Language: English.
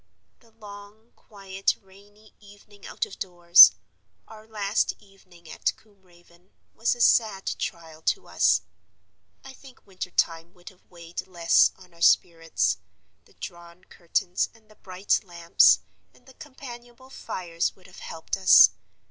"The long, quiet, rainy evening out of doors—our last evening at Combe Raven—was a sad trial to us. I think winter time would have weighed less on our spirits; the drawn curtains and the bright lamps, and the companionable fires would have helped us.